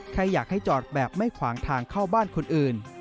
แค่อยากให้จอดแบบไม่ขวางทางเข้าบ้านคนอื่น